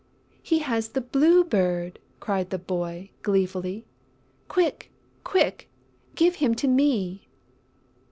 "He has the Blue Bird!" cried the boy, gleefully. "Quick! Quick! Give him to me!"